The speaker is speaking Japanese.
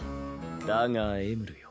だがエムルよ